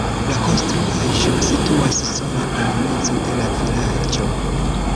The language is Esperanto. La konstruaĵo situas sola en mezo de la vilaĝo.